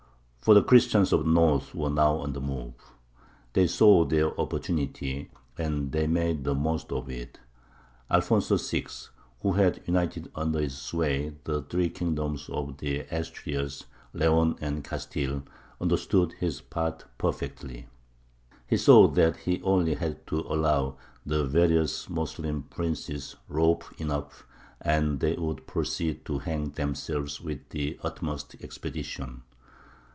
For the Christians of the north were now on the move. They saw their opportunity, and they made the most of it. Alfonso VI., who had united under his sway the three kingdoms of the Asturias, Leon, and Castile, understood his part perfectly. He saw that he only had to allow the various Moslem princes rope enough, and they would proceed to hang themselves with the utmost expedition.